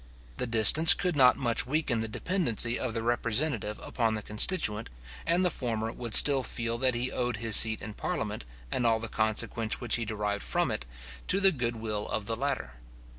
The distance could not much weaken the dependency of the representative upon the constituent, and the former would still feel that he owed his seat in parliament, and all the consequence which he derived from it, to the good will of the latter.